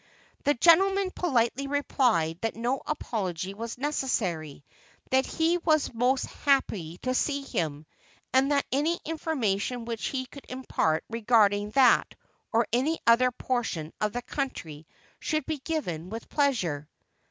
The gentleman politely replied that no apology was necessary, that he was most happy to see him, and that any information which he could impart regarding that or any other portion of the country should be given with pleasure.